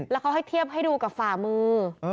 แล้วเขาให้เทียบให้ดูกับฝ่ามือ